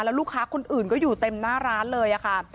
แล้วลูกค้าคนอื่นก็อยู่เต็มหน้าร้านเลยค่ะ